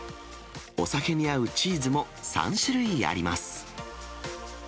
お酒に合うチーズも３種類あります。